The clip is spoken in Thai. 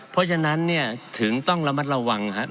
เพราะฉะนั้นเนี่ยถึงต้องระมัดระวังครับ